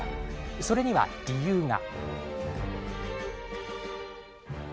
それには理由が。